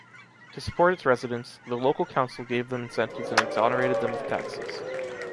To support its residents, the local council gave them incentives and exonerated them of taxes.